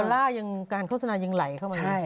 ล่ายังการโฆษณายังไหลเข้ามาให้